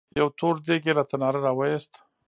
يو تور دېګ يې له تناره راوېست.